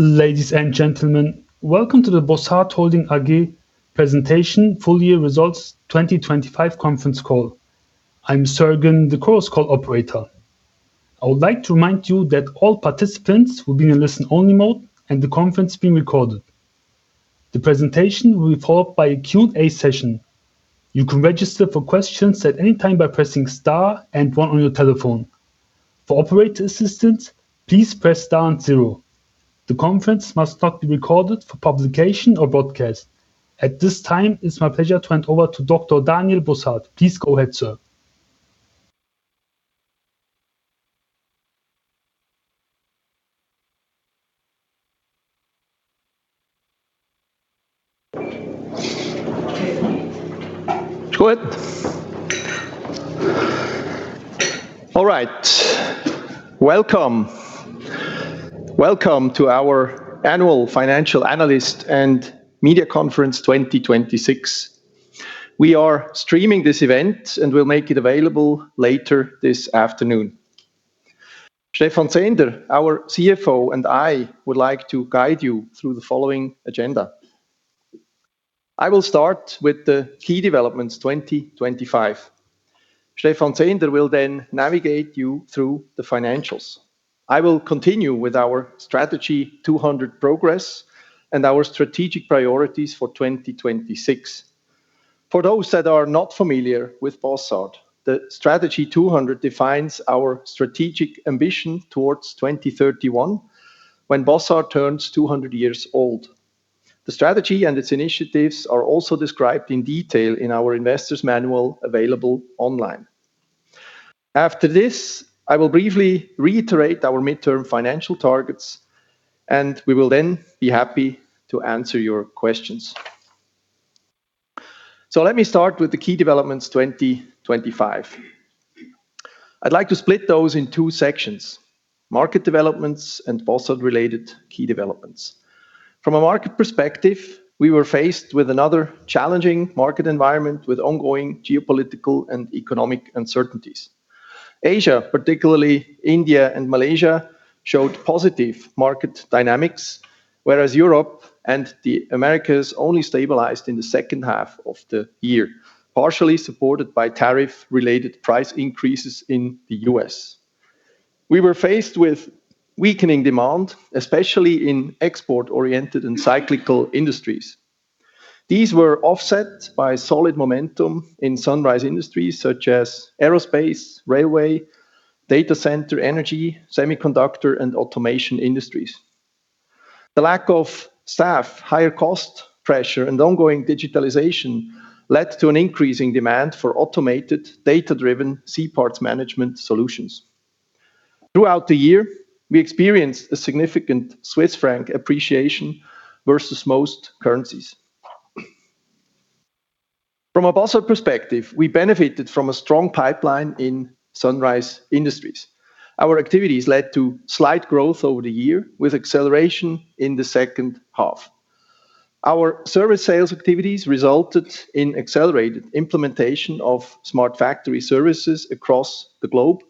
Ladies and gentlemen, welcome to the Bossard Holding AG presentation, full year results 2025 conference call. I'm Sergen, the conference call operator. I would like to remind you that all participants will be in listen-only mode, and the conference is being recorded. The presentation will be followed by a Q&A session. You can register for questions at any time by pressing star one on your telephone. For operator assistance, please press star zero The conference must not be recorded for publication or broadcast. At this time, it's my pleasure to hand over to Dr. Daniel Bossard. Please go ahead, sir. Good. All right. Welcome. Welcome to our Annual Financial Analyst and Media Conference 2026. We are streaming this event, and we'll make it available later this afternoon. Stephan Zehnder, our CFO, and I would like to guide you through the following agenda. I will start with the key developments 2025. Stephan Zehnder will then navigate you through the financials. I will continue with our Strategy 200 progress and our strategic priorities for 2026. For those that are not familiar with Bossard, the Strategy 200 defines our strategic ambition towards 2031 when Bossard turns 200 years old. The strategy and its initiatives are also described in detail in our investors manual available online. After this, I will briefly reiterate our midterm financial targets, and we will then be happy to answer your questions. Let me start with the key developments 2025. I'd like to split those in two sections: market developments and Bossard-related key developments. From a market perspective, we were faced with another challenging market environment with ongoing geopolitical and economic uncertainties. Asia, particularly India and Malaysia, showed positive market dynamics, whereas Europe and the Americas only stabilized in the second half of the year, partially supported by tariff-related price increases in the US. We were faced with weakening demand, especially in export-oriented and cyclical industries. These were offset by solid momentum in sunrise industries such as aerospace, railway, data center, energy, semiconductor, and automation industries. The lack of staff, higher cost pressure, and ongoing digitalization led to an increasing demand for automated, data-driven C-parts management solutions. Throughout the year, we experienced a significant Swiss franc appreciation versus most currencies. From a Bossard perspective, we benefited from a strong pipeline in sunrise industries. Our activities led to slight growth over the year with acceleration in the second half. Our service sales activities resulted in accelerated implementation of Smart Factory services across the globe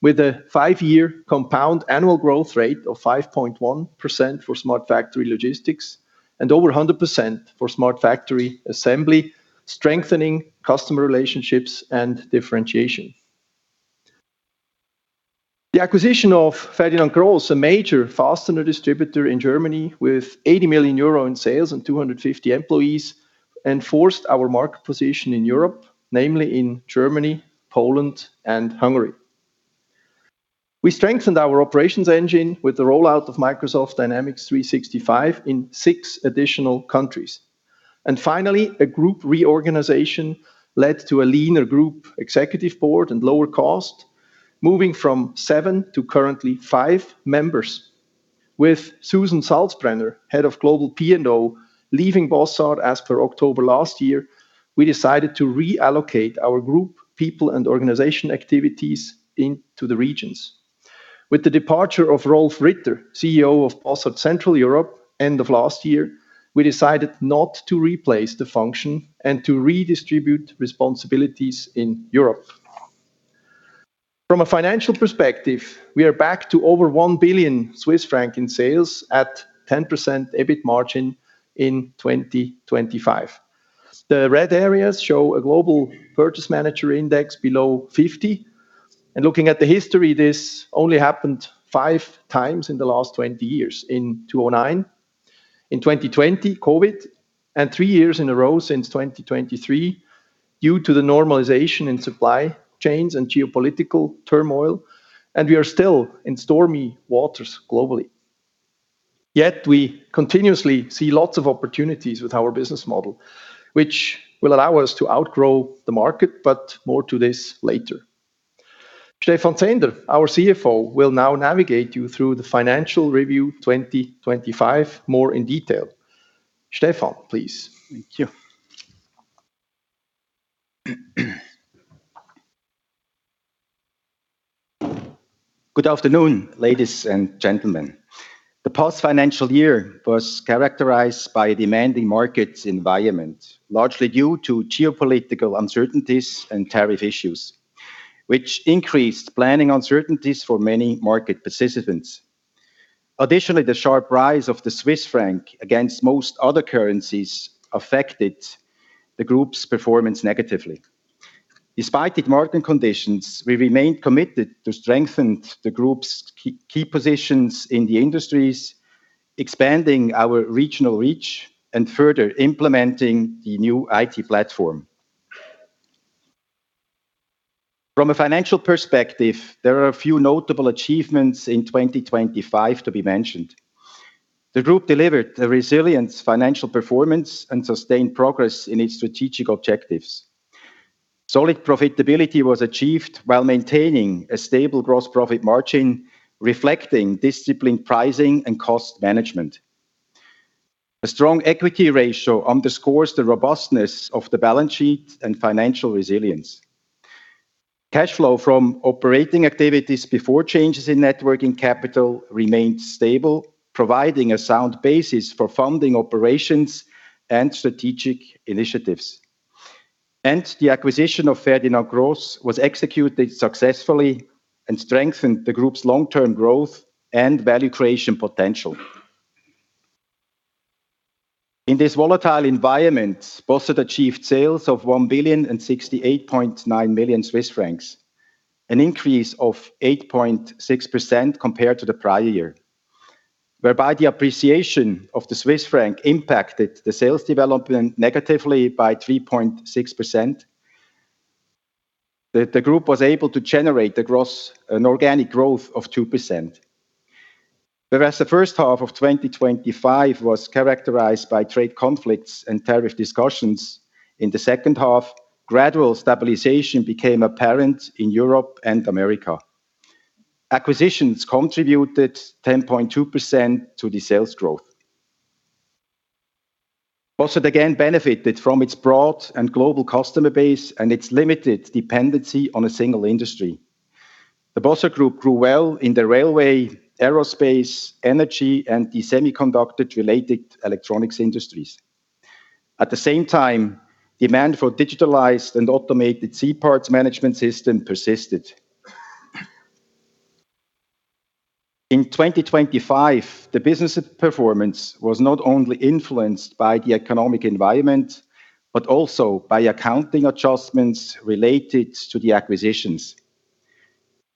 with a five-year compound annual growth rate of 5.1% for Smart Factory Logistics and over 100% for Smart Factory Assembly, strengthening customer relationships and differentiation. The acquisition of Ferdinand Gross, a major fastener distributor in Germany with 80 million euro in sales and 250 employees, enforced our market position in Europe, namely in Germany, Poland, and Hungary. We strengthened our operations engine with the rollout of Microsoft Dynamics 365 in six additional countries. Finally, a group reorganization led to a leaner group executive board and lower cost, moving from seven to currently five members. With Susan Salzbrenner, Head of Global P&O, leaving Bossard as per October last year, we decided to reallocate our group, people, and organization activities into the regions. With the departure of Rolf Ritter, CEO of Bossard Central Europe, end of last year, we decided not to replace the function and to redistribute responsibilities in Europe. From a financial perspective, we are back to over 1 billion Swiss franc in sales at 10% EBIT margin in 2025. The red areas show a global Purchasing Managers' Index below 50. Looking at the history, this only happened 5x in the last 20 years, in 2009, in 2020 COVID, and three years in a row since 2023 due to the normalization in supply chains and geopolitical turmoil. We are still in stormy waters globally. We continuously see lots of opportunities with our business model, which will allow us to outgrow the market, but more to this later. Stephan Zehnder, our CFO, will now navigate you through the financial review 2025 more in detail. Stephan, please. Thank you. Good afternoon, ladies and gentlemen. The past financial year was characterized by a demanding market environment, largely due to geopolitical uncertainties and tariff issues, which increased planning uncertainties for many market participants. Additionally, the sharp rise of the Swiss franc against most other currencies affected the group's performance negatively. Despite the market conditions, we remain committed to strengthen the group's key positions in the industries, expanding our regional reach, and further implementing the new IT platform. From a financial perspective, there are a few notable achievements in 2025 to be mentioned. The group delivered a resilient financial performance and sustained progress in its strategic objectives. Solid profitability was achieved while maintaining a stable gross profit margin, reflecting disciplined pricing and cost management. A strong equity ratio underscores the robustness of the balance sheet and financial resilience. Cash flow from operating activities before changes in net working capital remained stable, providing a sound basis for funding operations and strategic initiatives. The acquisition of Ferdinand Gross was executed successfully and strengthened the group's long-term growth and value creation potential. In this volatile environment, Bossard achieved sales of 1,068.9 million Swiss francs, an increase of 8.6% compared to the prior year. The appreciation of the Swiss franc impacted the sales development negatively by 3.6%, the group was able to generate an organic growth of 2%. The first half of 2025 was characterized by trade conflicts and tariff discussions, in the second half, gradual stabilization became apparent in Europe and America. Acquisitions contributed 10.2% to the sales growth. Bossard again benefited from its broad and global customer base and its limited dependency on a single industry. The Bossard Group grew well in the railway, aerospace, energy, and the semiconductor-related electronics industries. At the same time, demand for digitalized and automated C-parts management system persisted. In 2025, the business performance was not only influenced by the economic environment, but also by accounting adjustments related to the acquisitions.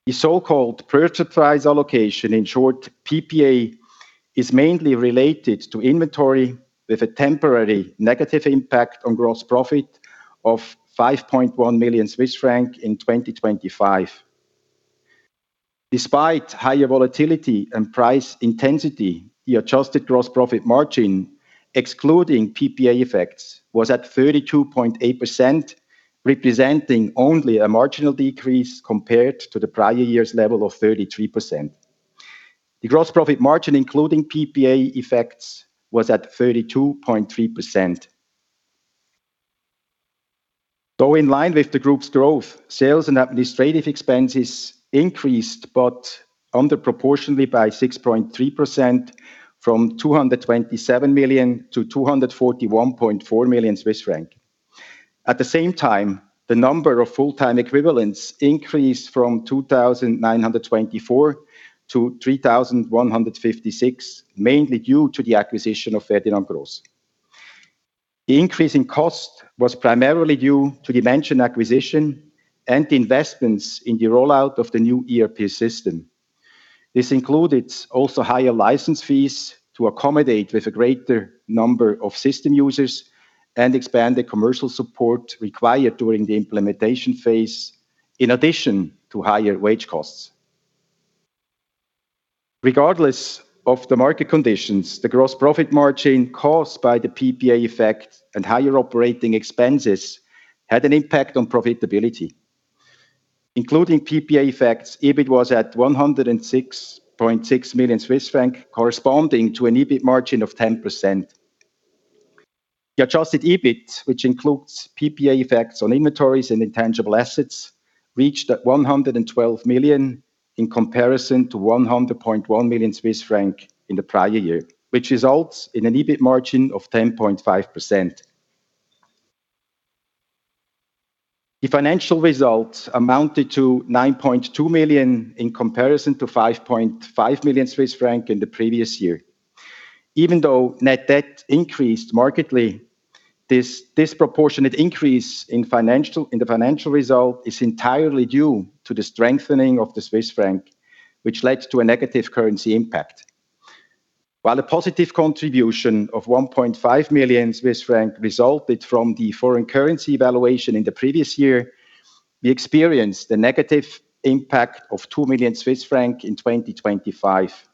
The so-called purchase price allocation, in short PPA, is mainly related to inventory with a temporary negative impact on gross profit of 5.1 million Swiss francs in 2025. Despite higher volatility and price intensity, the adjusted gross profit margin, excluding PPA effects, was at 32.8%, representing only a marginal decrease compared to the prior year's level of 33%. The gross profit margin, including PPA effects, was at 32.3%. In line with the group's growth, sales and administrative expenses increased but under proportionately by 6.3% from 227 million to 241.4 million Swiss francs. At the same time, the number of full-time equivalents increased from 2,924 to 3,156, mainly due to the acquisition of Ferdinand Gross. The increase in cost was primarily due to the mentioned acquisition and investments in the rollout of the new ERP system. This included also higher license fees to accommodate with a greater number of system users and expand the commercial support required during the implementation phase in addition to higher wage costs. Regardless of the market conditions, the gross profit margin caused by the PPA effect and higher operating expenses had an impact on profitability. Including PPA effects, EBIT was at 106.6 million Swiss franc corresponding to an EBIT margin of 10%. The adjusted EBIT, which includes PPA effects on inventories and intangible assets, reached at 112 million in comparison to 100.1 million Swiss franc in the prior year, which results in an EBIT margin of 10.5%. The financial results amounted to 9.2 million in comparison to 5.5 million Swiss francs in the previous year. Even though net debt increased markedly, this disproportionate increase in the financial result is entirely due to the strengthening of the Swiss franc, which led to a negative currency impact. While a positive contribution of 1.5 million Swiss francs resulted from the foreign currency valuation in the previous year, we experienced the negative impact of 2 million Swiss francs in 2025.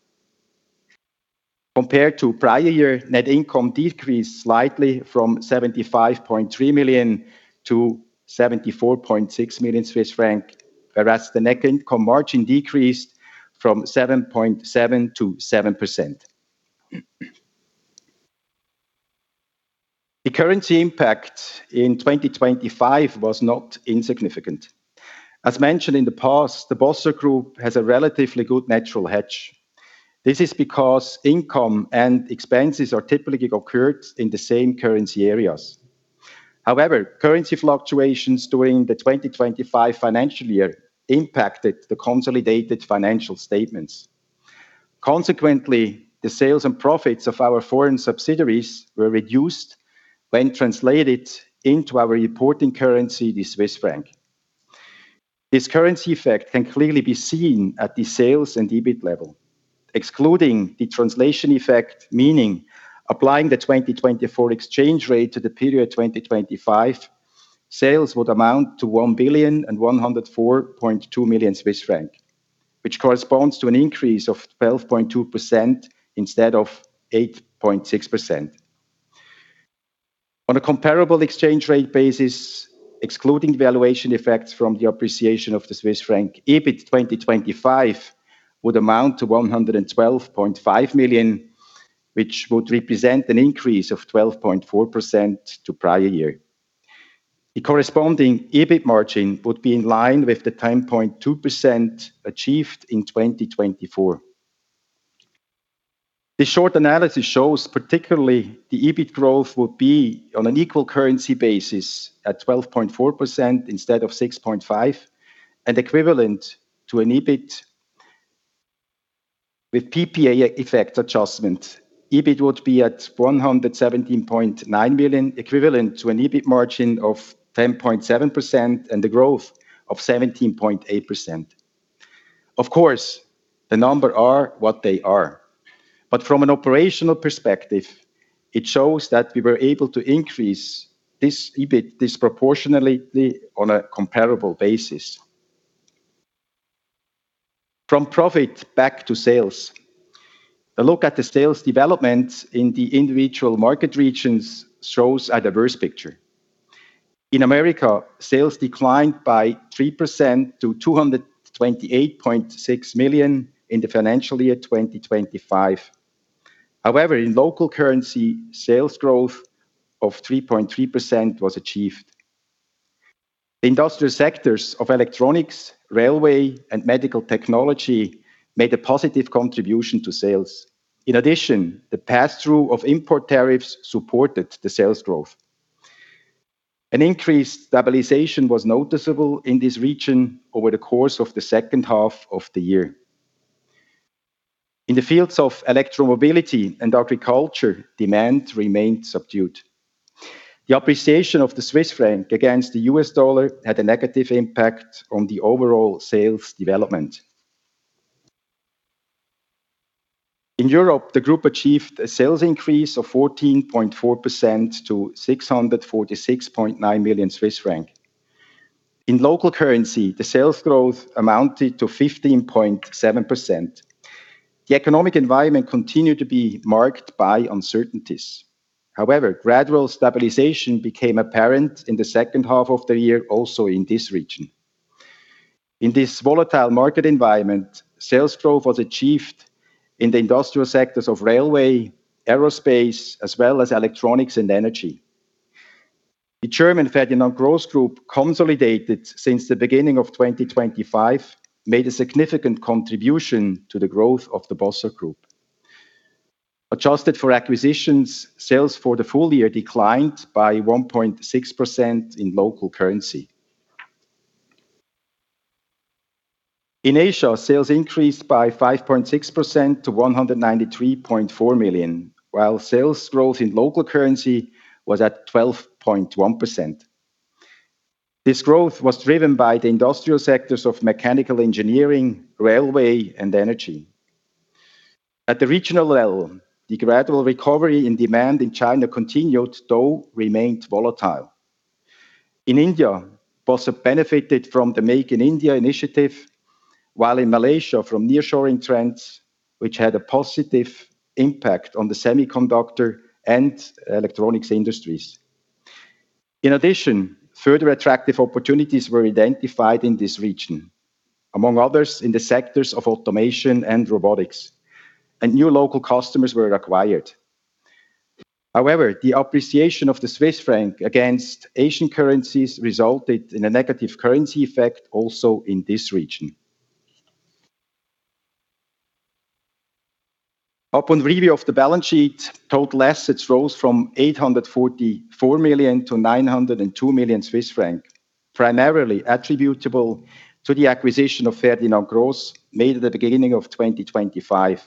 Compared to prior year, net income decreased slightly from 75.3 million to 74.6 million Swiss franc, whereas the net income margin decreased from 7.7% to 7%. The currency impact in 2025 was not insignificant. As mentioned in the past, the Bossard Group has a relatively good natural hedge. This is because income and expenses are typically occurred in the same currency areas. Currency fluctuations during the 2025 financial year impacted the consolidated financial statements. The sales and profits of our foreign subsidiaries were reduced when translated into our reporting currency, the Swiss franc. This currency effect can clearly be seen at the sales and EBIT level. Excluding the translation effect, meaning applying the 2024 exchange rate to the period 2025, sales would amount to 1,104.2 million Swiss francs, which corresponds to an increase of 12.2% instead of 8.6%. On a comparable exchange rate basis, excluding valuation effects from the appreciation of the Swiss franc, EBIT 2025 would amount to 112.5 million, which would represent an increase of 12.4% to prior year. The corresponding EBIT margin would be in line with the 10.2% achieved in 2024. This short analysis shows particularly the EBIT growth would be on an equal currency basis at 12.4% instead of 6.5% and equivalent to an EBIT with PPA effect adjustment. EBIT would be at 117.9 billion, equivalent to an EBIT margin of 10.7% and the growth of 17.8%. The number are what they are, but from an operational perspective, it shows that we were able to increase this EBIT disproportionately on a comparable basis. From profit back to sales. A look at the sales developments in the individual market regions shows a diverse picture. In America, sales declined by 3% to 228.6 million in the financial year 2025. However, in local currency, sales growth of 3.3% was achieved. Industrial sectors of electronics, railway, and medical technology made a positive contribution to sales. In addition, the passthrough of import tariffs supported the sales growth. An increased stabilization was noticeable in this region over the course of the second half of the year. In the fields of electromobility and agriculture, demand remained subdued. The appreciation of the Swiss franc against the US dollar had a negative impact on the overall sales development. In Europe, the group achieved a sales increase of 14.4% to 646.9 million Swiss franc. In local currency, the sales growth amounted to 15.7%. The economic environment continued to be marked by uncertainties. However, gradual stabilization became apparent in the second half of the year also in this region. In this volatile market environment, sales growth was achieved in the industrial sectors of railway, aerospace, as well as electronics and energy. The German Ferdinand Gross Group consolidated since the beginning of 2025 made a significant contribution to the growth of the Bossard Group. Adjusted for acquisitions, sales for the full year declined by 1.6% in local currency. In Asia, sales increased by 5.6% to 193.4 million, while sales growth in local currency was at 12.1%. This growth was driven by the industrial sectors of mechanical engineering, railway, and energy. At the regional level, the gradual recovery in demand in China continued, though remained volatile. In India, Bossard benefited from the Make in India initiative, while in Malaysia from nearshoring trends, which had a positive impact on the semiconductor and electronics industries. In addition, further attractive opportunities were identified in this region, among others in the sectors of automation and robotics, and new local customers were acquired. The appreciation of the Swiss franc against Asian currencies resulted in a negative currency effect also in this region. Upon review of the balance sheet, total assets rose from 844 million to 902 million Swiss franc, primarily attributable to the acquisition of Ferdinand Gross made at the beginning of 2025.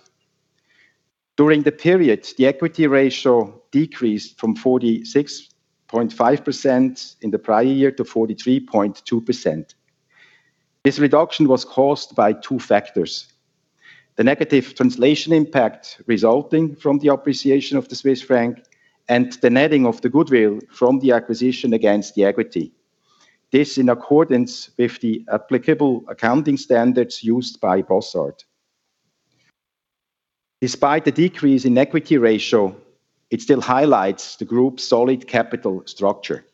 During the period, the equity ratio decreased from 46.5% in the prior year to 43.2%. This reduction was caused by two factors, the negative translation impact resulting from the appreciation of the Swiss franc and the netting of the goodwill from the acquisition against the equity. This in accordance with the applicable accounting standards used by Bossard. Despite the decrease in equity ratio, it still highlights the group's solid capital structure.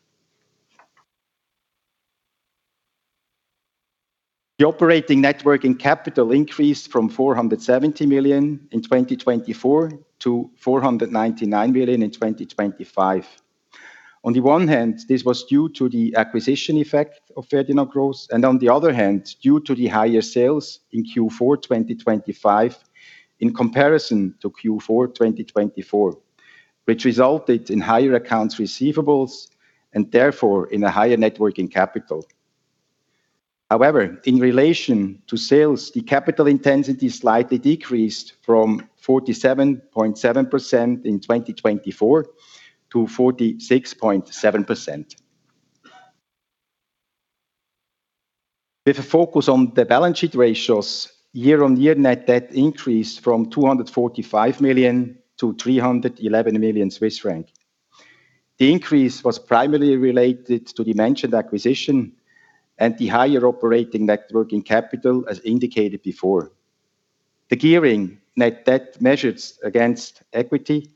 The operating net working capital increased from 470 million in 2024 to 499 million in 2025. On the one hand, this was due to the acquisition effect of Ferdinand Gross and on the other hand, due to the higher sales in Q4 2025 in comparison to Q4 2024, which resulted in higher accounts receivables and therefore in a higher net working capital. However, in relation to sales, the capital intensity slightly decreased from 47.7% in 2024 to 46.7%. With a focus on the balance sheet ratios, year-on-year net debt increased from 245 million to 311 million Swiss franc. The increase was primarily related to the mentioned acquisition and the higher operating net working capital as indicated before. The gearing net debt measured against equity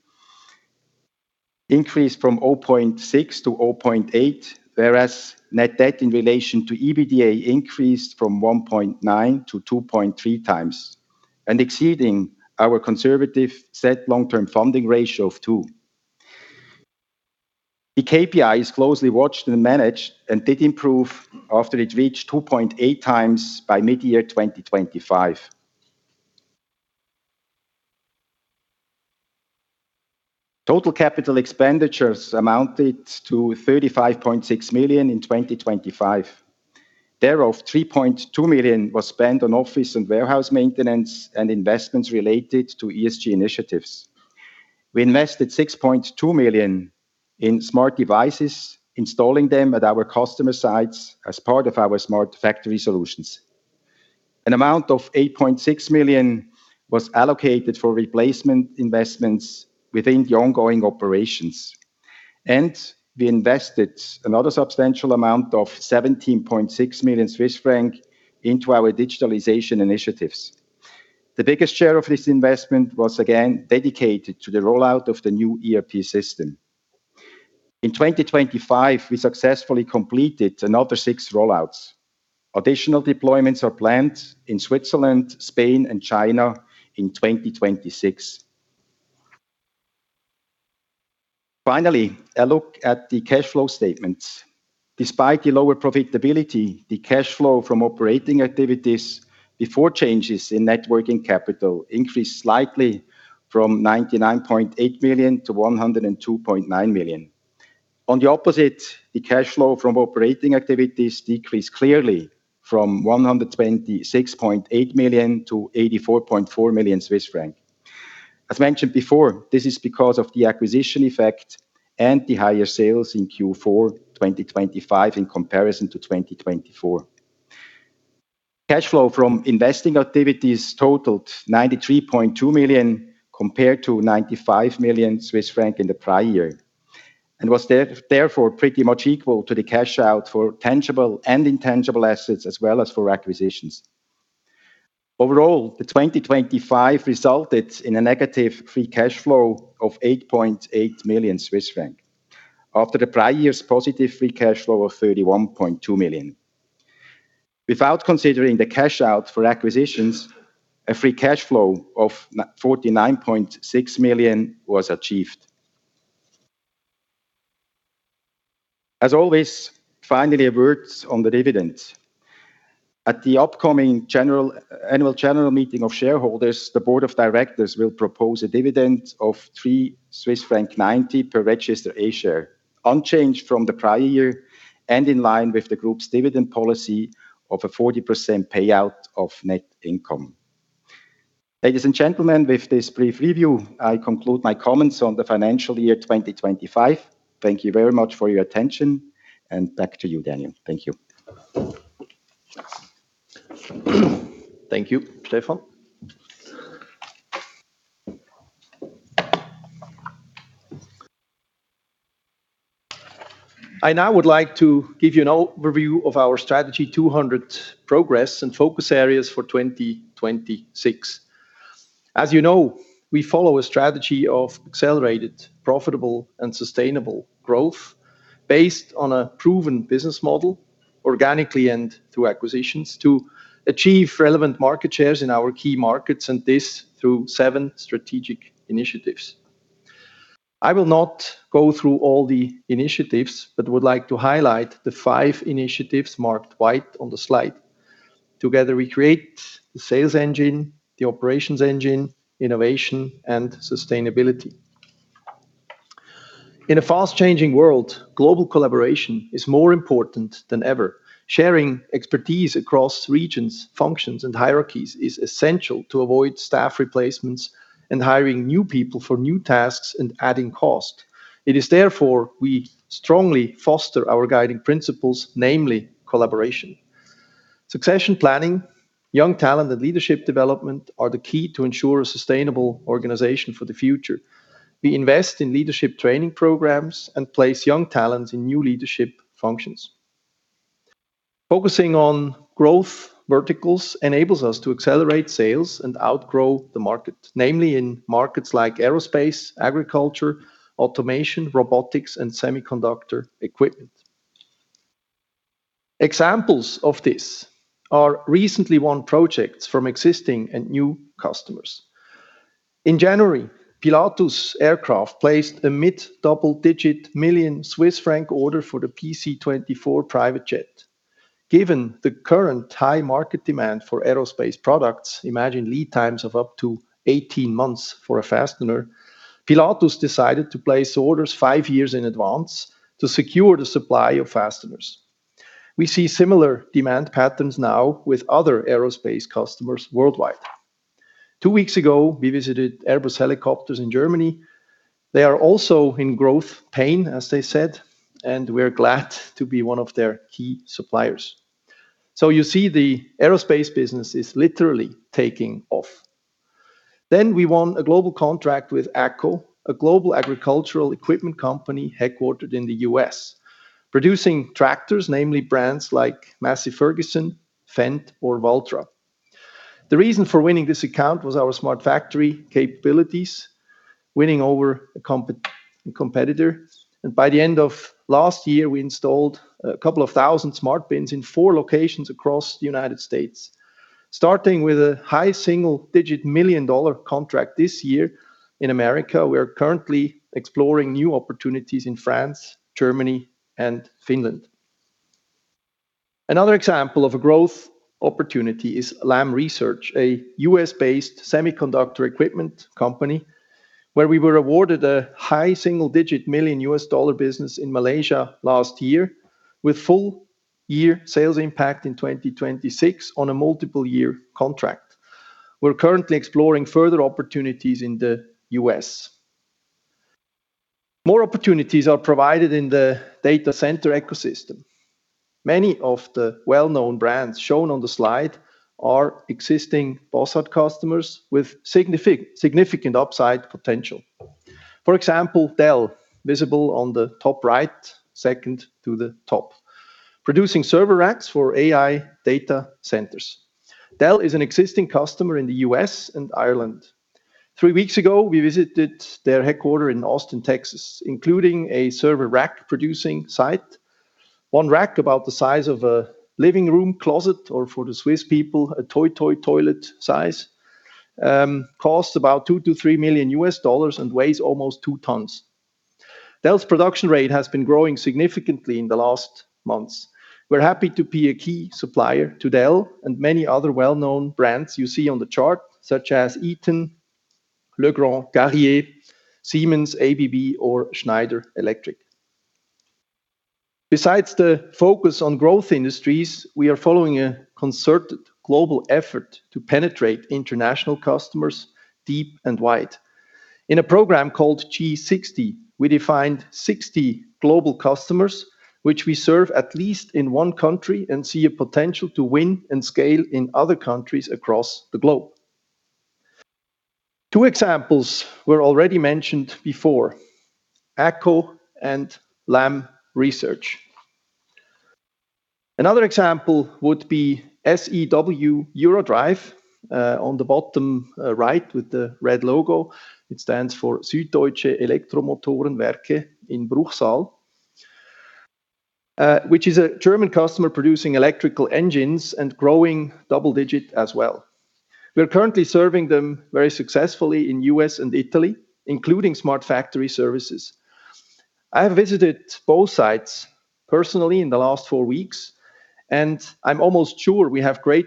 increased from 0.6 to 0.8, whereas net debt in relation to EBITDA increased from 1.9x to 2.3x and exceeding our conservative set long-term funding ratio of two. The KPI is closely watched and managed and did improve after it reached 2.8x by midyear 2025. Total capital expenditures amounted to 35.6 million in 2025. Thereof, 3.2 million was spent on office and warehouse maintenance and investments related to ESG initiatives. We invested 6.2 million in smart devices, installing them at our customer sites as part of our Smart Factory solutions. An amount of 8.6 million was allocated for replacement investments within the ongoing operations. We invested another substantial amount of 17.6 million Swiss francs into our digitalization initiatives. The biggest share of this investment was again dedicated to the rollout of the new ERP system. In 2025, we successfully completed another six rollouts. Additional deployments are planned in Switzerland, Spain, and China in 2026. A look at the cash flow statement. Despite the lower profitability, the cash flow from operating activities before changes in net working capital increased slightly from 99.8 million to 102.9 million. On the opposite, the cash flow from operating activities decreased clearly from 126.8 million to 84.4 million Swiss francs. As mentioned before, this is because of the acquisition effect and the higher sales in Q4 2025 in comparison to 2024. Cash flow from investing activities totaled 93.2 million compared to 95 million Swiss franc in the prior year. Therefore, pretty much equal to the cash out for tangible and intangible assets as well as for acquisitions. Overall, the 2025 resulted in a negative free cash flow of 8.8 million Swiss franc after the prior year's positive free cash flow of 31.2 million. Without considering the cash out for acquisitions, a free cash flow of 49.6 million was achieved. As always, finally a word on the dividend. At the upcoming annual general meeting of shareholders, the board of directors will propose a dividend of 3.90 Swiss franc per registered A share, unchanged from the prior year and in line with the group's dividend policy of a 40% payout of net income. Ladies and gentlemen, with this brief review, I conclude my comments on the financial year 2025. Thank you very much for your attention, and back to you, Daniel. Thank you. Thank you, Stephan. I now would like to give you an overview of our Strategy 200 progress and focus areas for 2026. As you know, we follow a strategy of accelerated, profitable, and sustainable growth based on a proven business model, organically and through acquisitions, to achieve relevant market shares in our key markets, and this through seven strategic initiatives. I will not go through all the initiatives, but would like to highlight the five initiatives marked white on the slide. Together we create the sales engine, the operations engine, innovation, and sustainability. In a fast-changing world, global collaboration is more important than ever. Sharing expertise across regions, functions, and hierarchies is essential to avoid staff replacements and hiring new people for new tasks and adding cost. It is therefore we strongly foster our guiding principles, namely collaboration. Succession planning, young talent, and leadership development are the key to ensure a sustainable organization for the future. We invest in leadership training programs and place young talent in new leadership functions. Focusing on growth verticals enables us to accelerate sales and outgrow the market, namely in markets like aerospace, agriculture, automation, robotics, and semiconductor equipment. Examples of this are recently won projects from existing and new customers. In January, Pilatus Aircraft placed a mid-double-digit million CHF order for the PC-24 private jet. Given the current high market demand for aerospace products, imagine lead times of up to 18 months for a fastener, Pilatus decided to place orders five years in advance to secure the supply of fasteners. We see similar demand patterns now with other aerospace customers worldwide. Two weeks ago, we visited Airbus Helicopters in Germany. They are also in growth pain, as they said, we're glad to be one of their key suppliers. You see the aerospace business is literally taking off. We won a global contract with AGCO, a global agricultural equipment company headquartered in the U.S., producing tractors, namely brands like Massey Ferguson, Fendt, or Valtra. The reason for winning this account was our Smart Factory capabilities, winning over a competitor, and by the end of last year, we installed a couple of 1,000 SmartBins in four locations across the United States. Starting with a high single-digit million-dollar contract this year in America, we are currently exploring new opportunities in France, Germany, and Finland. Another example of a growth opportunity is Lam Research, a U.S.-based semiconductor equipment company, where we were awarded a high single-digit million U.S. dollar business in Malaysia last year with full year sales impact in 2026 on a multiple year contract. We're currently exploring further opportunities in the U.S. More opportunities are provided in the data center ecosystem. Many of the well-known brands shown on the slide are existing Bossard customers with significant upside potential. For example, Dell, visible on the top right, second to the top, producing server racks for AI data centers. Dell is an existing customer in the U.S. and Ireland. Three weeks ago, we visited their headquarters in Austin, Texas, including a server rack producing site. One rack about the size of a living room closet, or for the Swiss people, a toi-toi toilet size, costs about $2 million-$3 million and weighs almost 2 tons. Dell's production rate has been growing significantly in the last months. We're happy to be a key supplier to Dell and many other well-known brands you see on the chart, such as Eaton, Legrand, Carrier, Siemens, ABB, or Schneider Electric. Besides the focus on growth industries, we are following a concerted global effort to penetrate international customers deep and wide. In a program called G60, we defined 60 global customers, which we serve at least in one country and see a potential to win and scale in other countries across the globe. Two examples were already mentioned before, AGCO and Lam Research. Another example would be SEW-EURODRIVE, on the bottom, right with the red logo. It stands for Süddeutsche Elektromotorenwerke in Bruchsal, which is a German customer producing electrical engines and growing double-digit as well. We are currently serving them very successfully in U.S. and Italy, including Smart Factory services. I have visited both sites personally in the last four weeks, and I'm almost sure we have great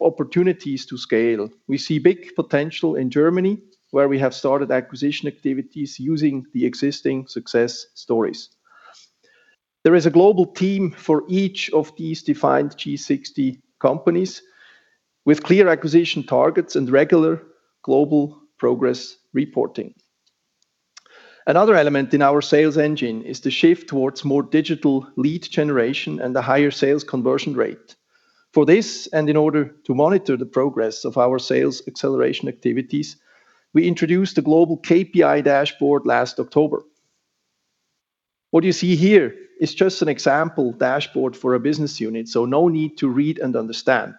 opportunities to scale. We see big potential in Germany, where we have started acquisition activities using the existing success stories. There is a global team for each of these defined G60 companies with clear acquisition targets and regular global progress reporting. Another element in our sales engine is the shift towards more digital lead generation and a higher sales conversion rate. For this, and in order to monitor the progress of our sales acceleration activities, we introduced a global KPI dashboard last October. What you see here is just an example dashboard for a business unit, so no need to read and understand.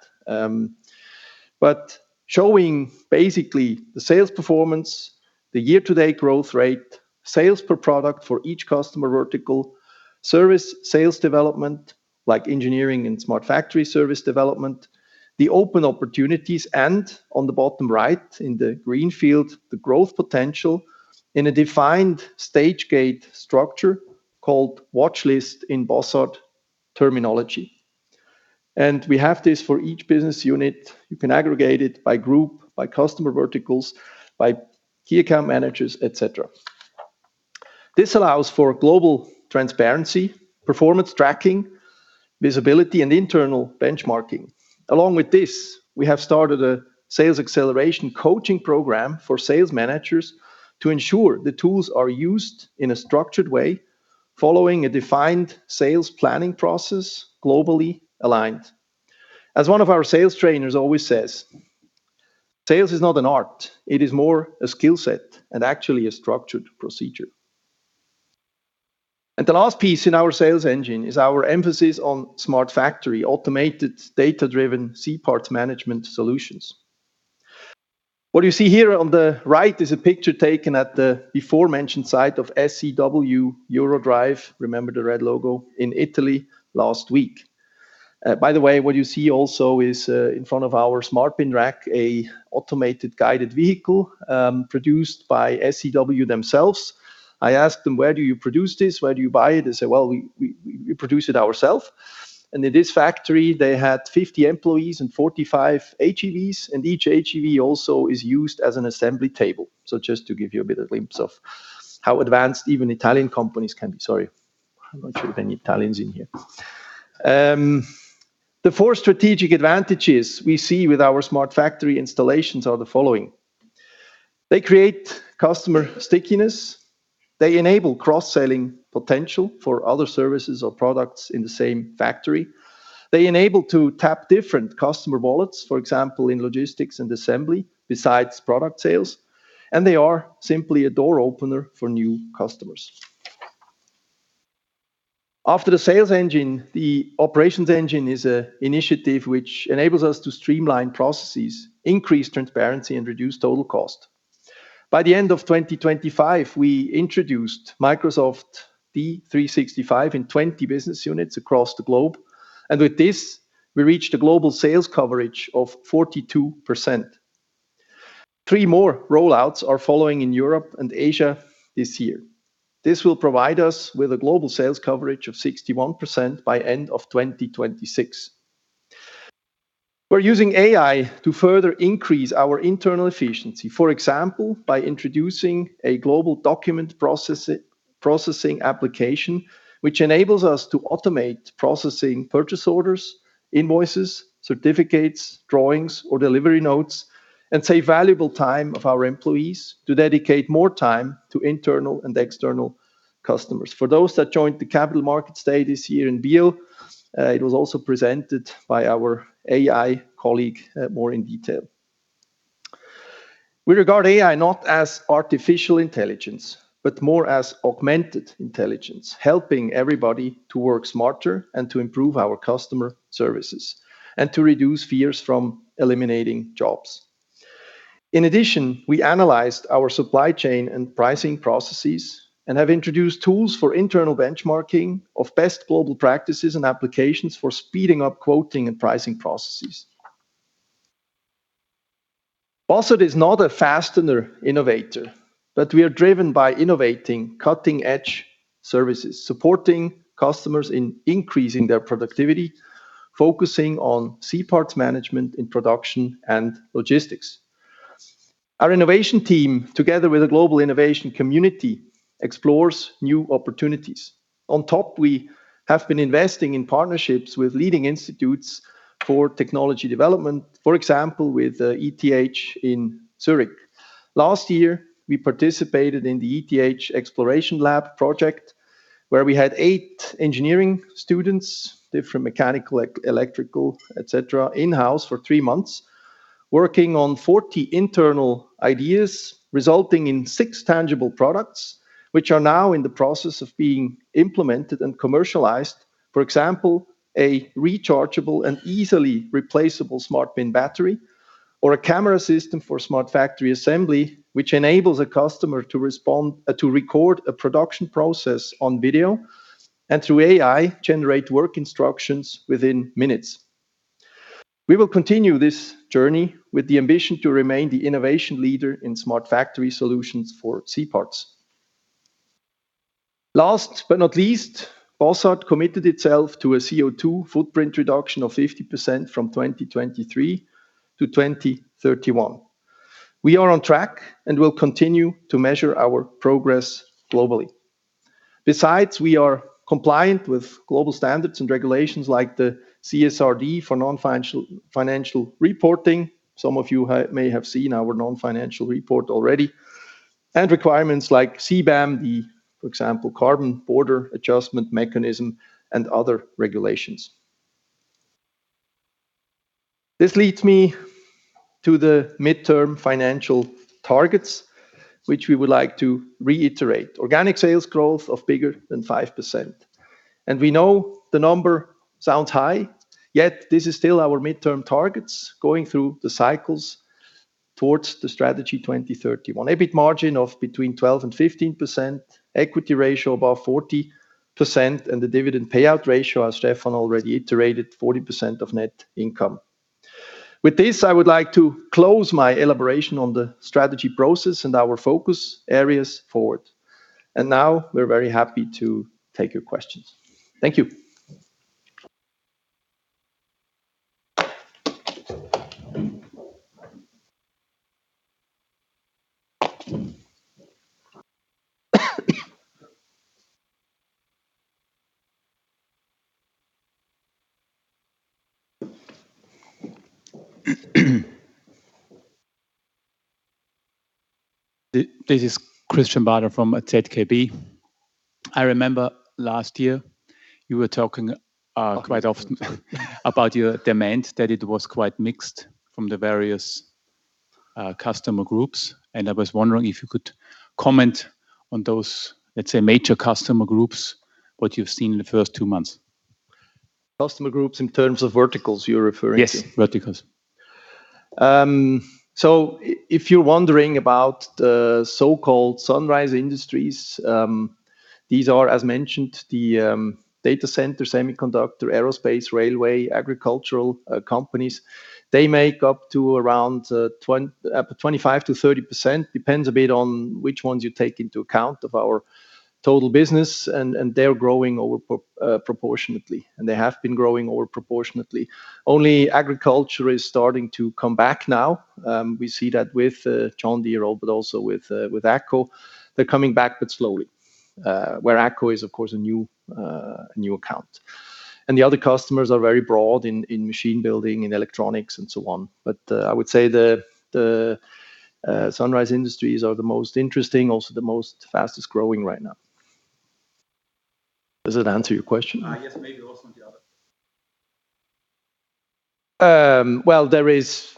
Showing basically the sales performance, the year-to-date growth rate, sales per product for each customer vertical, service sales development, like engineering and Smart Factory service development, the open opportunities, and on the bottom right in the green field, the growth potential in a defined stage gate structure called watchlist in Bossard terminology. We have this for each business unit. You can aggregate it by group, by customer verticals, by key account managers, et cetera. This allows for global transparency, performance tracking, visibility, and internal benchmarking. Along with this, we have started a sales acceleration coaching program for sales managers to ensure the tools are used in a structured way following a defined sales planning process, globally aligned. As one of our sales trainers always says, "Sales is not an art. It is more a skill set and actually a structured procedure." The last piece in our sales engine is our emphasis on Smart Factory automated data-driven C-parts management solutions. What you see here on the right is a picture taken at the before mentioned site of SEW-EURODRIVE, remember the red logo, in Italy last week. By the way, what you see also is in front of our SmartBin rack, a automated guided vehicle produced by SEW themselves. I asked them, "Where do you produce this? Where do you buy it?" They say, "Well, we produce it ourself." In this factory, they had 50 employees and 45 AGVs, and each AGV also is used as an assembly table. Just to give you a bit of glimpse of how advanced even Italian companies can be. Sorry, I'm not sure if any Italians in here. The four strategic advantages we see with our Smart Factory installations are the following. They create customer stickiness, they enable cross-selling potential for other services or products in the same factory. They enable to tap different customer wallets, for example, in logistics and assembly besides product sales, and they are simply a door opener for new customers. After the sales engine, the operations engine is a initiative which enables us to streamline processes, increase transparency, and reduce total cost. By the end of 2025, we introduced Microsoft D365 in 20 business units across the globe, with this, we reached a global sales coverage of 42%. Three more roll-outs are following in Europe and Asia this year. This will provide us with a global sales coverage of 61% by end of 2026. We're using AI to further increase our internal efficiency, for example, by introducing a global document processing application, which enables us to automate processing purchase orders, invoices, certificates, drawings, or delivery notes, and save valuable time of our employees to dedicate more time to internal and external customers. For those that joined the Capital Markets Day this year in Biel, it was also presented by our AI colleague, more in detail. We regard AI not as artificial intelligence, but more as augmented intelligence, helping everybody to work smarter and to improve our customer services and to reduce fears from eliminating jobs. In addition, we analyzed our supply chain and pricing processes and have introduced tools for internal benchmarking of best global practices and applications for speeding up quoting and pricing processes. Bossard is not a fastener innovator, but we are driven by innovating cutting-edge services, supporting customers in increasing their productivity, focusing on C-parts management in production and logistics. Our innovation team, together with a global innovation community, explores new opportunities. On top, we have been investing in partnerships with leading institutes for technology development, for example, with ETH in Zurich. Last year, we participated in the ETH Exploration Lab project, where we had eight engineering students, different mechanical, electrical, et cetera, in-house for three months, working on 40 internal ideas, resulting in six tangible products, which are now in the process of being implemented and commercialized. For example, a rechargeable and easily replaceable SmartBin battery or a camera system for Smart Factory Assembly, which enables a customer to record a production process on video and, through AI, generate work instructions within minutes. We will continue this journey with the ambition to remain the innovation leader in Smart Factory solutions for C-parts. Last but not least, Bossard committed itself to a CO2 footprint reduction of 50% from 2023 to 2031. We are on track and will continue to measure our progress globally. Besides, we are compliant with global standards and regulations like the CSRD for non-financial financial reporting, some of you may have seen our non-financial report already, and requirements like CBAM, the, for example, Carbon Border Adjustment Mechanism, and other regulations. This leads me to the midterm financial targets, which we would like to reiterate. Organic sales growth of bigger than 5%, we know the number sounds high, yet this is still our midterm targets going through the cycles towards the Strategy 2031. EBIT margin of between 12% and 15%, equity ratio above 40%, the dividend payout ratio, as Stephan already iterated, 40% of net income. With this, I would like to close my elaboration on the strategy process and our focus areas forward. Now we're very happy to take your questions. Thank you. This is Christian Bader from ZKB. I remember last year you were talking quite often about your demand, that it was quite mixed from the various customer groups. I was wondering if you could comment on those, let's say, major customer groups, what you've seen in the first two months? Customer groups in terms of verticals you're referring to? Yes, verticals. So if you're wondering about the so-called sunrise industries, these are, as mentioned, the data center, semiconductor, aerospace, railway, agricultural companies. They make up to around 25%-30%, depends a bit on which ones you take into account of our total business and they're growing proportionately, and they have been growing proportionately. Only agriculture is starting to come back now. We see that with John Deere, but also with AGCO. They're coming back but slowly. Where AGCO is of course a new a new account. The other customers are very broad in machine building, in electronics and so on. I would say the sunrise industries are the most interesting, also the most fastest-growing right now. Does that answer your question? Yes, maybe also on the other. Well, there is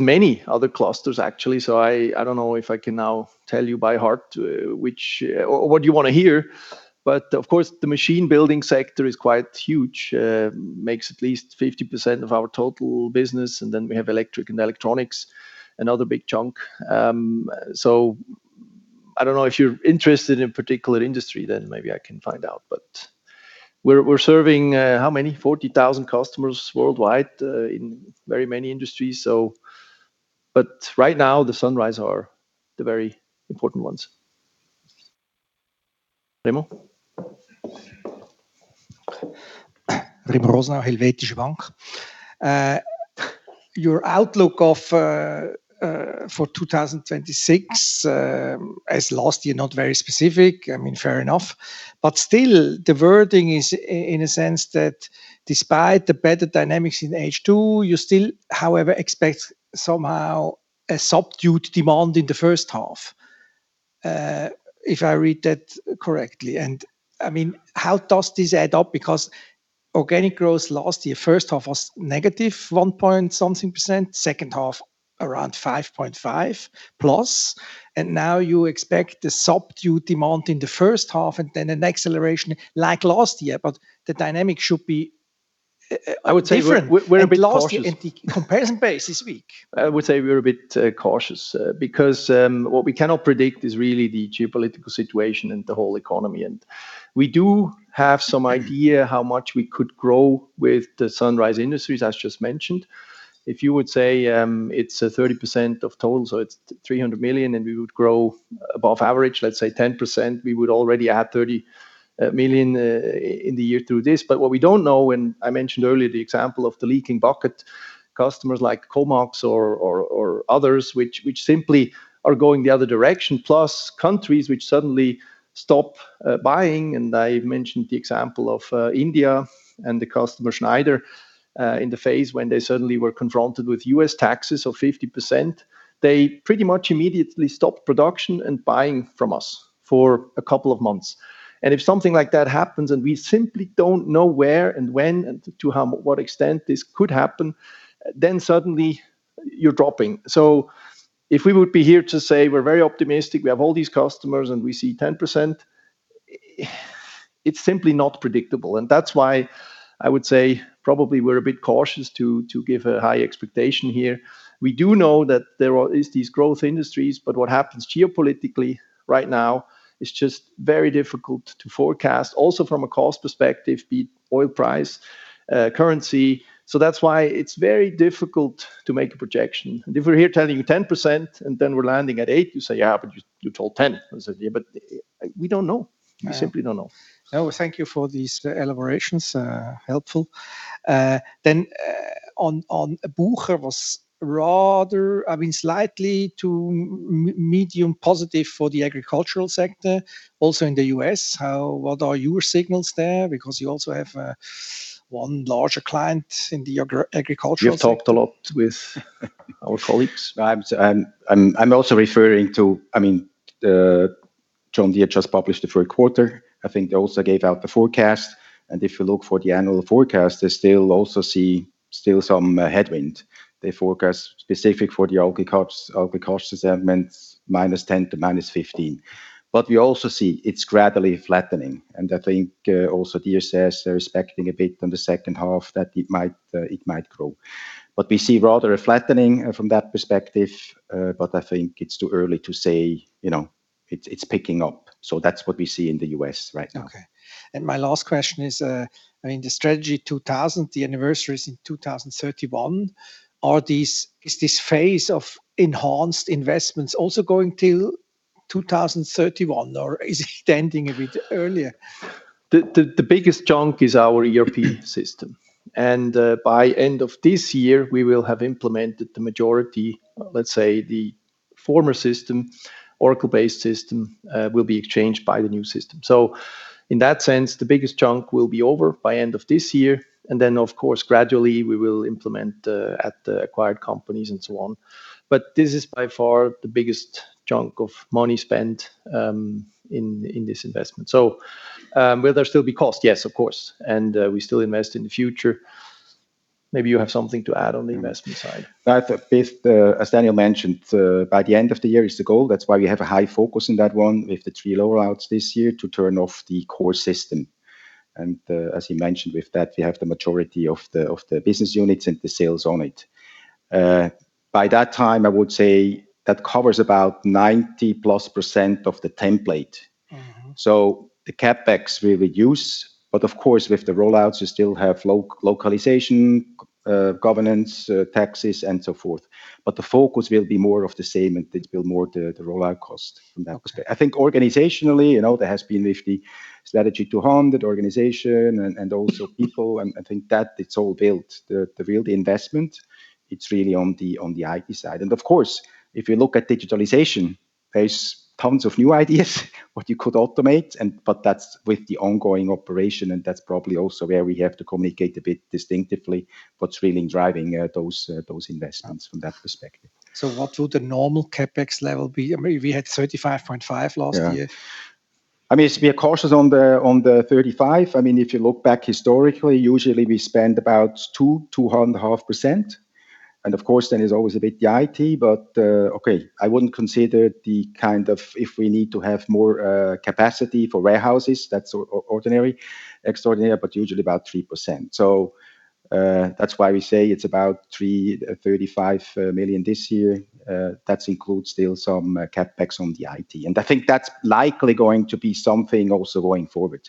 many other clusters actually, so I don't know if I can now tell you by heart which or what you want to hear. Of course the machine building sector is quite huge. Makes at least 50% of our total business, and then we have electric and electronics, another big chunk. So I don't know if you're interested in particular industry, then maybe I can find out. We're serving how many? 40,000 customers worldwide in very many industries so right now the sunrise are the very important ones. Remo? Remo Rosenau, Bank Vontobel. Your outlook of for 2026, as last year not very specific, I mean, fair enough. Still the wording is in a sense that despite the better dynamics in H2, you still, however, expect somehow a subdued demand in the first half, if I read that correctly. I mean, how does this add up? Organic growth last year, first half was -1.something%, second half around +5.5%, and now you expect a subdued demand in the first half and then an acceleration like last year. The dynamic should be different. I would say we're a bit cautious. Lastly, and the comparison base is weak. I would say we're a bit cautious because what we cannot predict is really the geopolitical situation and the whole economy. We do have some idea how much we could grow with the sunrise industries, as just mentioned. If you would say it's a 30% of total, so it's 300 million and we would grow above average, let's say 10%, we would already add 30 million in the year through this. What we don't know when I mentioned earlier the example of the leaking bucket, customers like Komax or others, which simply are going the other direction, plus countries which suddenly stop buying, and I mentioned the example of India and the customer Schneider Electric in the phase when they suddenly were confronted with US taxes of 50%. They pretty much immediately stopped production and buying from us for a couple of months. If something like that happens, and we simply don't know where and when and to what extent this could happen, then suddenly you're dropping. If we would be here to say we're very optimistic, we have all these customers and we see 10%, it's simply not predictable. That's why I would say probably we're a bit cautious to give a high expectation here. We do know that there are these growth industries, but what happens geopolitically right now is just very difficult to forecast. From a cost perspective, the oil price, currency. That's why it's very difficult to make a projection. If we're here telling you 10% and then we're landing at 8%, you say, "Yeah, but you told 10%." I said, "Yeah, but we don't know. We simply don't know. No, thank you for these elaborations, helpful. On Bucher was rather, I mean, slightly to medium positive for the agricultural sector, also in the U.S. How What are your signals there? Because you also have one larger client in the agricultural sector. You've talked a lot with our colleagues. I'm also referring to, I mean, John Deere just published the third quarter. I think they also gave out the forecast. If you look for the annual forecast, they still also see still some headwind. They forecast specific for the agricos, that means -10% to -15%. We also see it's gradually flattening. I think, also DSS, they're expecting a bit on the second half that it might, it might grow. We see rather a flattening from that perspective, but I think it's too early to say, you know, it's picking up. That's what we see in the U.S. right now. Okay. My last question is, I mean the Strategy 200, the anniversary is in 2031. Is this phase of enhanced investments also going till 2031 or is it ending a bit earlier? The biggest chunk is our European system. By end of this year, we will have implemented the majority, let's say, the former system, Oracle-based system, will be exchanged by the new system. In that sense, the biggest chunk will be over by end of this year. Then of course, gradually we will implement at the acquired companies and so on. This is by far the biggest chunk of money spent in this investment. Will there still be cost? Yes, of course. We still invest in the future. Maybe you have something to add on the investment side. That, with, as Daniel mentioned, by the end of the year is the goal. That's why we have a high focus in that one with the three rollouts this year to turn off the core system. As you mentioned, with that we have the majority of the business units and the sales on it. By that time, I would say that covers about +90% of the template The CapEx we reduce, but of course, with the rollouts you still have localization, governance, taxes, and so forth. The focus will be more of the same, and it will more the rollout cost from that perspective. I think organizationally, you know, there has been with the Strategy 200 the organization and also people, and I think that it's all built. The real investment, it's really on the IT side. Of course, if you look at digitalization, there's tons of new ideas what you could automate and, but that's with the ongoing operation, and that's probably also where we have to communicate a bit distinctively what's really driving those investments from that perspective. What will the normal CapEx level be? I mean, we had 35.5 last year. I mean, to be cautious on the, on the 35. I mean, if you look back historically, usually we spend about 2%-2.5%, of course then is always a bit the IT, but, okay, I wouldn't consider the kind of if we need to have more capacity for warehouses, that's Extraordinary, but usually about 3%. That's why we say it's about 35 million this year. That includes still some CapEx on the IT. I think that's likely going to be something also going forward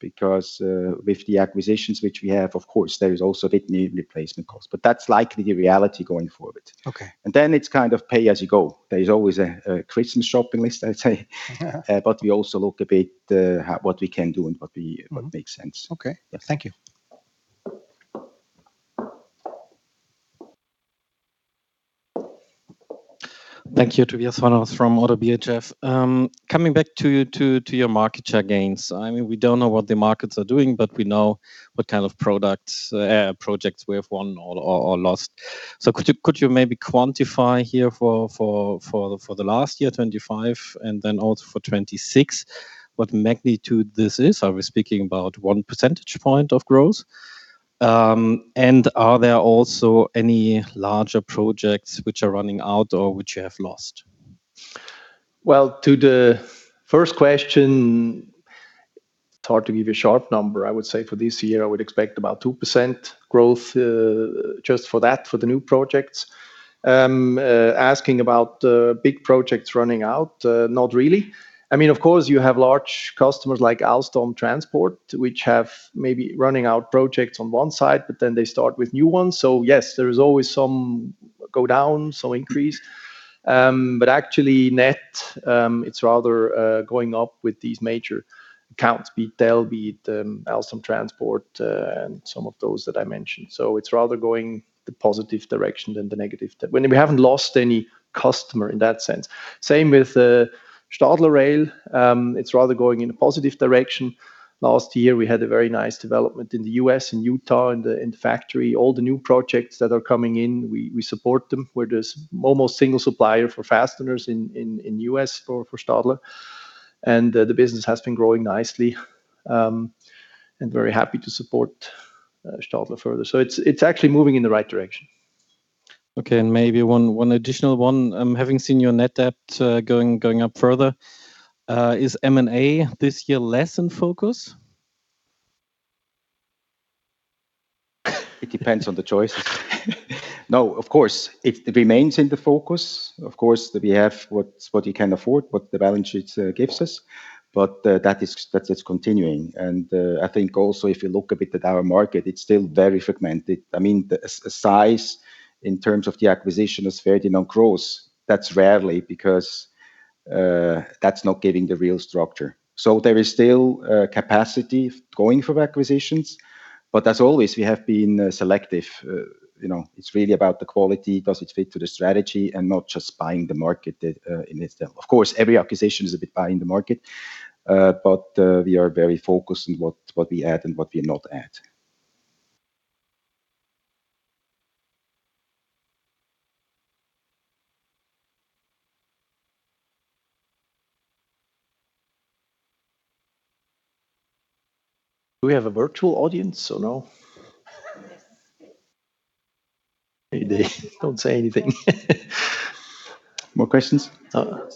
because, with the acquisitions which we have, of course, there is also bit new replacement costs. That's likely the reality going forward. Okay. It's kind of pay as you go. There is always a Christmas shopping list, I'd say. We also look a bit what we can do and what we- that makes sense. Okay. Yeah. Thank you. Thank you. Tobias Fausch from ODDO BHF. Coming back to your market share gains, I mean, we don't know what the markets are doing, but we know what kind of products, projects we have won or lost. Could you maybe quantify here for the last year, 2025, and then also for 2026 what magnitude this is? Are we speaking about 1% of growth? Are there also any larger projects which are running out or which you have lost? Well, to the first question, it's hard to give a sharp number. I would say for this year I would expect about two% growth, just for that, for the new projects. Asking about big projects running out, not really. I mean, of course you have large customers like Alstom Transport which have maybe running out projects on one side, but then they start with new ones. Yes, there is always some go down, some increase. But actually net, it's rather going up with these major accounts, be it Dell, be it Alstom Transport, and some of those that I mentioned. It's rather going the positive direction than the negative. We haven't lost any customer in that sense. Same with Stadler Rail. It's rather going in a positive direction. Last year we had a very nice development in the US and Utah in the factory. All the new projects that are coming in, we support them. We're the almost single supplier for fasteners in US for Stadler, the business has been growing nicely, and very happy to support Stadler further. It's actually moving in the right direction. Okay. Maybe one additional one. Having seen your net debt going up further, is M&A this year less in focus? It depends on the choice. Of course, it remains in the focus. Of course, we have what you can afford, what the balance sheet gives us, but that is continuing. I think also if you look a bit at our market, it's still very fragmented. I mean, the size in terms of the acquisition is fairly non gross. That's rarely because that's not giving the real structure. There is still capacity going for acquisitions, but as always, we have been selective. You know, it's really about the quality, does it fit to the strategy, and not just buying the market in itself. Of course, every acquisition is a bit buying the market, but we are very focused on what we add and what we not add. Do we have a virtual audience or no? Yes. Hey, they don't say anything. More questions? Oh.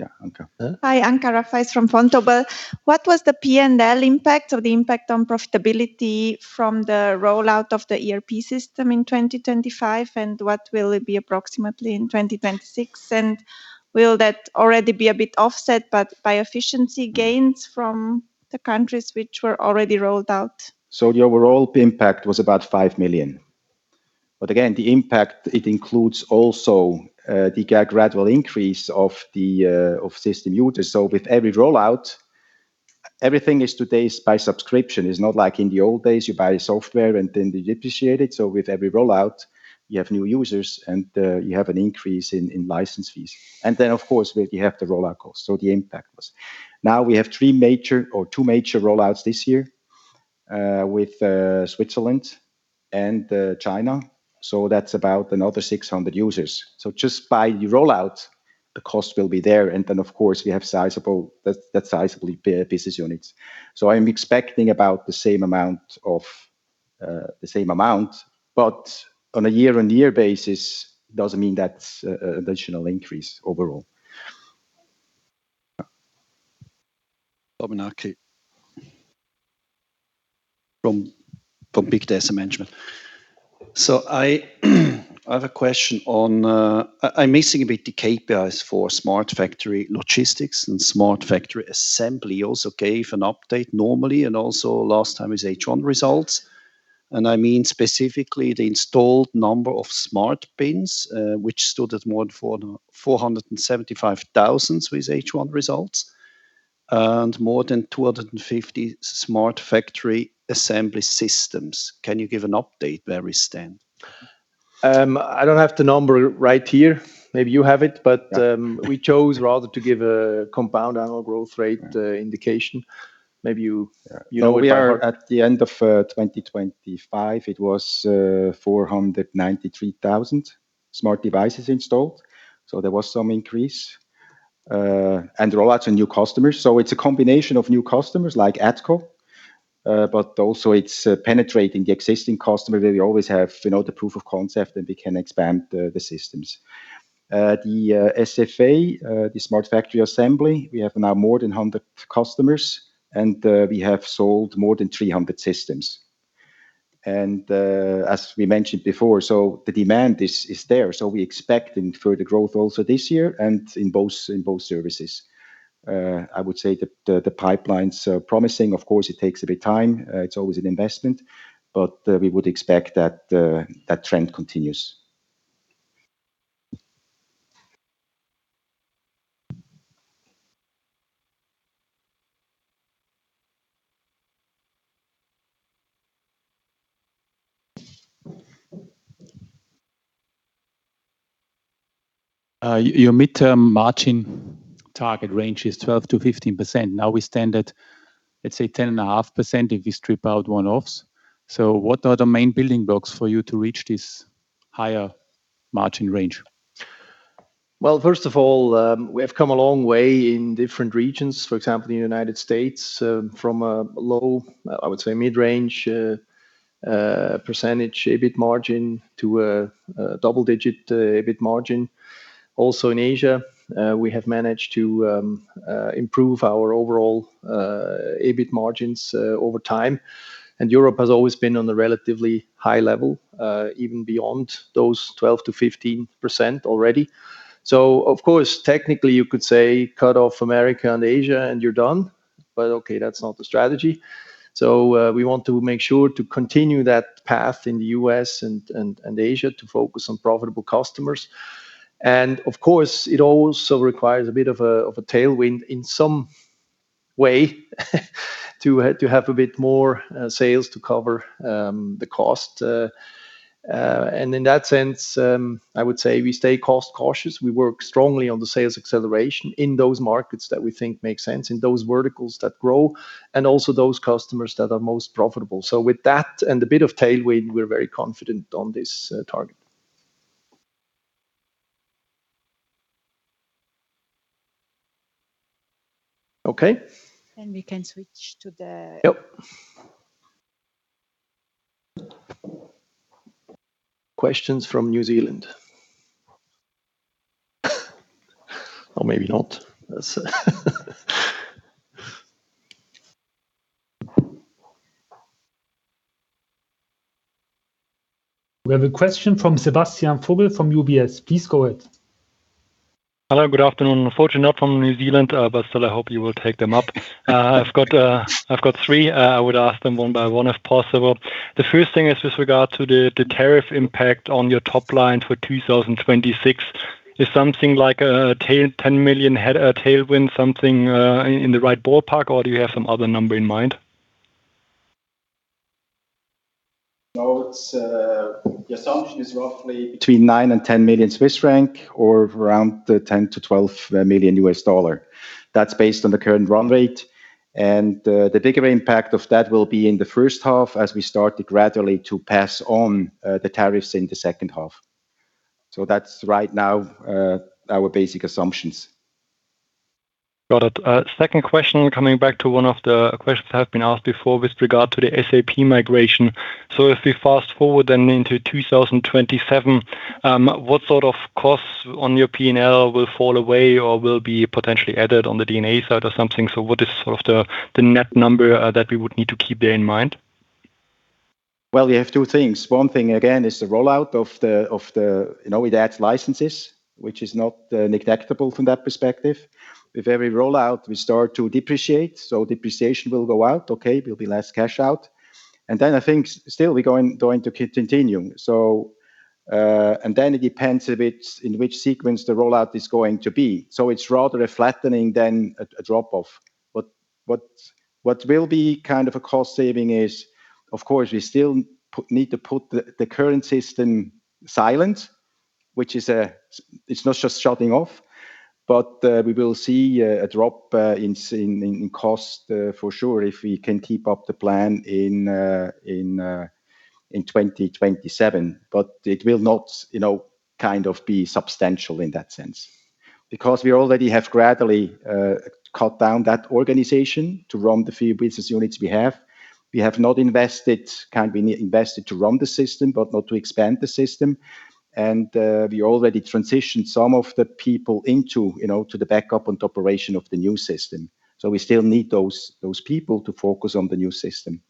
Yeah, Anka. Yeah. Hi. Anka Ris from Vontobel. What was the P&L impact or the impact on profitability from the rollout of the ERP system in 2025, and what will it be approximately in 2026? Will that already be a bit offset but by efficiency gains from the countries which were already rolled out? The overall impact was about 5 million. Again, the impact, it includes also the gradual increase of the system users. With every rollout, everything is today is by subscription. It's not like in the old days, you buy software and then depreciate it. With every rollout you have new users and you have an increase in license fees. Of course with you have the rollout cost. The impact was. Now we have three major or two major rollouts this year, with Switzerland and China, so that's about another 600 users. Just by the rollout. The cost will be there. Of course, we have sizable business units. I am expecting about the same amount of the same amount, but on a year-on-year basis, doesn't mean that's additional increase overall. Dominik from Big Data Management. I have a question on. I'm missing a bit the KPIs for Smart Factory Logistics and Smart Factory Assembly. You also gave an update normally and also last time is H1 results. I mean specifically the installed number of SmartBins, which stood at more than 475,000 with H1 results, and more than 250 Smart Factory Assembly systems. Can you give an update where we stand? I don't have the number right here. Maybe you have it, but we chose rather to give a compound annual growth rate indication. Maybe you know it by heart. We are at the end of 2025. It was 493,000 smart devices installed. There was some increase and rollouts and new customers. It's a combination of new customers like AGCO, but also it's penetrating the existing customer where we always have, you know, the proof of concept, and we can expand the systems. The SFA, the Smart Factory Assembly, we have now more than 100 customers, and we have sold more than 300 systems. As we mentioned before, the demand is there. We expect in further growth also this year and in both, in both services. I would say the pipeline's promising. Of course, it takes a bit of time. It's always an investment. We would expect that that trend continues. Your midterm margin target range is 12%-15%. Now we stand at, let's say, 10.5% if we strip out one-offs. What are the main building blocks for you to reach this higher margin range? Well, first of all, we have come a long way in different regions. For example, in the United States, from a low, I would say mid-range, % EBIT margin to a double-digit EBIT margin. Also in Asia, we have managed to improve our overall EBIT margins over time. Europe has always been on a relatively high level, even beyond those 12%-15% already. Of course, technically, you could say cut off America and Asia and you're done. Okay, that's not the strategy. We want to make sure to continue that path in the US and Asia to focus on profitable customers. Of course, it also requires a bit of a, of a tailwind in some way to have, to have a bit more sales to cover the cost. In that sense, I would say we stay cost cautious. We work strongly on the sales acceleration in those markets that we think make sense, in those verticals that grow, and also those customers that are most profitable. With that and a bit of tailwind, we're very confident on this target. Okay. we can switch to. Yep. Questions from New Zealand. Maybe not. We have a question from Sebastian Vogel from UBS. Please go ahead. Hello, good afternoon. Unfortunately, not from New Zealand, still I hope you will take them up. I've got three. I would ask them one by one if possible. The first thing is with regard to the tariff impact on your top line for 2026. Is something like a 10 million tailwind something in the right ballpark, or do you have some other number in mind? No. It's the assumption is roughly between 9 million and 10 million Swiss franc or around the $10 million-$12 million. That's based on the current run rate. The bigger impact of that will be in the first half as we start to gradually pass on the tariffs in the second half. That's right now our basic assumptions. Got it. Second question, coming back to one of the questions that have been asked before with regard to the SAP migration. If we fast-forward then into 2027, what sort of costs on your P&L will fall away or will be potentially added on the D&A side or something? What is sort of the net number, that we would need to keep there in mind? We have two things. One thing again is the rollout of the, you know, with that licenses, which is not negligible from that perspective. With every rollout, we start to depreciate, depreciation will go out, okay. There'll be less cash out. I think still we're going to continue. It depends a bit in which sequence the rollout is going to be. It's rather a flattening than a drop off. What will be kind of a cost saving is, of course, we still need to put the current system silent, which is it's not just shutting off. We will see a drop in cost for sure if we can keep up the plan in 2027. it will not, you know. Kind of be substantial in that sense. We already have gradually cut down that organization to run the few business units we have. We have not invested, kind of invested to run the system but not to expand the system. We already transitioned some of the people into, you know, to the backup and operation of the new system. We still need those people to focus on the new system.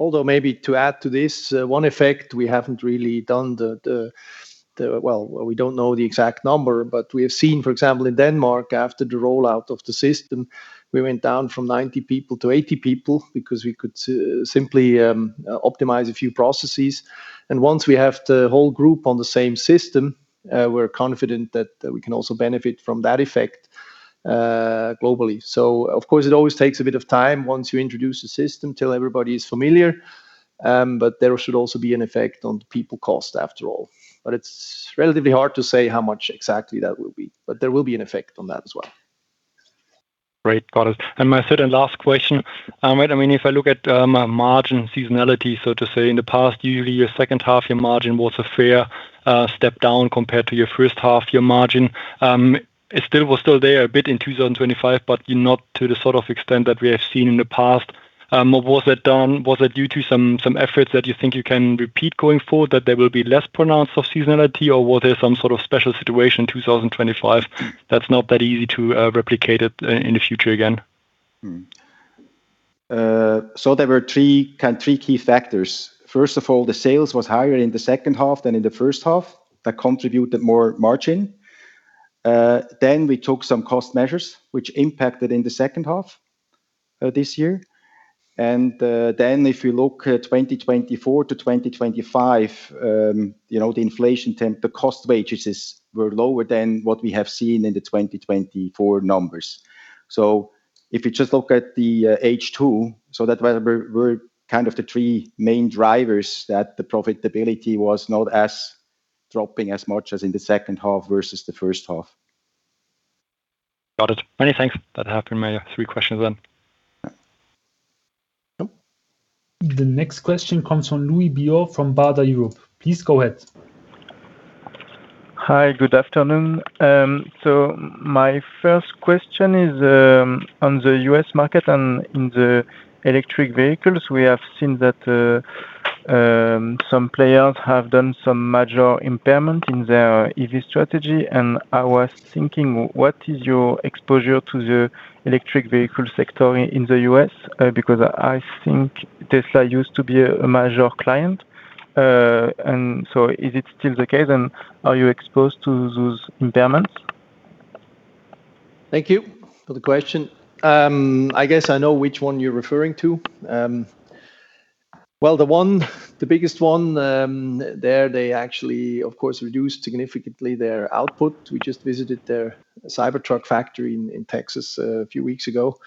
Although maybe to add to this, one effect we haven't really done. Well, we don't know the exact number, but we have seen, for example, in Denmark, after the rollout of the system, we went down from 90 people to 80 people because we could simply optimize a few processes. Once we have the whole group on the same system, we're confident that we can also benefit from that effect globally. Of course, it always takes a bit of time once you introduce a system till everybody is familiar, but there should also be an effect on people cost after all. It's relatively hard to say how much exactly that will be. There will be an effect on that as well. Great. Got it. My third and last question. I mean, if I look at margin seasonality, so to say in the past, usually your second half, your margin was a fair step down compared to your first half, your margin. It still was still there a bit in 2025, but not to the sort of extent that we have seen in the past. Was that due to some efforts that you think you can repeat going forward, that there will be less pronounced of seasonality, or was there some sort of special situation in 2025 that's not that easy to replicate it in the future again? There were three key factors. First of all, the sales was higher in the second half than in the first half. That contributed more margin. We took some cost measures which impacted in the second half this year. If you look at 2024 to 2025, you know, the inflation temp, the cost wages were lower than what we have seen in the 2024 numbers. If you just look at the H2, that were kind of the three main drivers that the profitability was not as dropping as much as in the second half versus the first half. Got it. Many thanks. That happened my three questions then. Yeah. The next question comes from Louis Botti from Baader Helvea. Please go ahead. Hi. Good afternoon. My first question is on the U.S. market and in the electric vehicles, we have seen that some players have done some major impairment in their EV strategy. I was thinking, what is your exposure to the electric vehicle sector in the U.S.? Because I think Tesla used to be a major client. Is it still the case? Are you exposed to those impairments? Thank you for the question. I guess I know which one you're referring to. Well, the one, the biggest one, there, they actually, of course, reduced significantly their output. We just visited their Cybertruck factory in Texas a few weeks ago,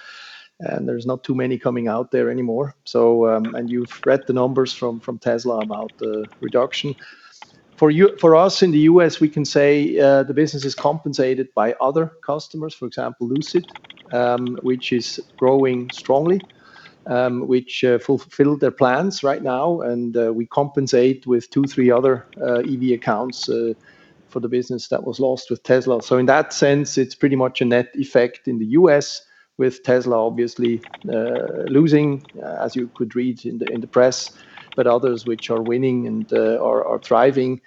and there's not too many coming out there anymore. You've read the numbers from Tesla about the reduction. For us in the U.S., we can say, the business is compensated by other customers, for example, Lucid, which is growing strongly, which fulfill their plans right now. We compensate with two, three other EV accounts for the business that was lost with Tesla. In that sense, it's pretty much a net effect in the US with Tesla obviously losing, as you could read in the, in the press, but others which are winning and are thriving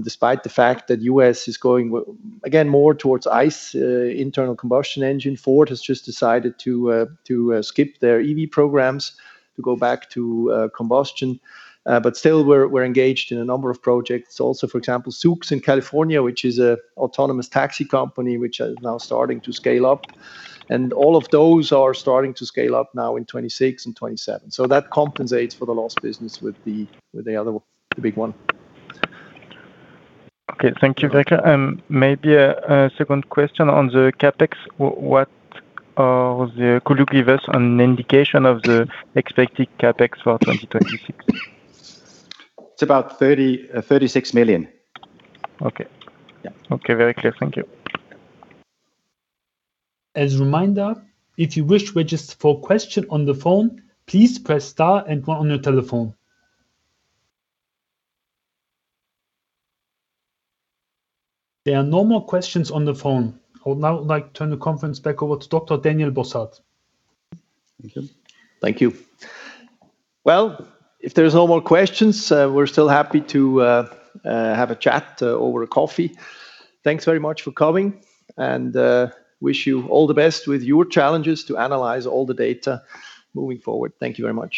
despite the fact that US is going again, more towards ICE, internal combustion engine. Ford has just decided to skip their EV programs to go back to combustion. Still we're engaged in a number of projects, for example, Zoox in California, which is a autonomous taxi company which is now starting to scale up. All of those are starting to scale up now in 2026 and 2027. That compensates for the lost business with the other the big one. Okay. Thank you, Becker. Maybe a second question on the CapEx. Could you give us an indication of the expected CapEx for 2026? It's about 36 million. Okay. Yeah. Okay. Very clear. Thank you. As a reminder, if you wish to register for a question on the phone, please press star and one on your telephone. There are no more questions on the phone. I would now like to turn the conference back over to Dr. Daniel Bossard. Thank you. Thank you. If there's no more questions, we're still happy to have a chat over coffee. Thanks very much for coming and wish you all the best with your challenges to analyze all the data moving forward. Thank you very much.